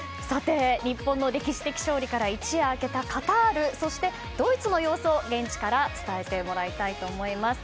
日本の歴史的勝利から一夜明けたカタールそして、ドイツの様子を現地から伝えてもらいます。